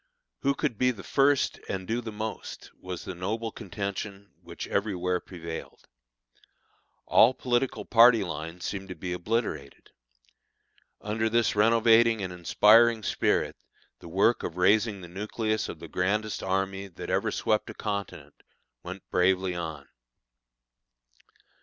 Who could be the first and do the most, was the noble contention which everywhere prevailed. All political party lines seemed to be obliterated. Under this renovating and inspiring spirit the work of raising the nucleus of the grandest army that ever swept a continent went bravely on.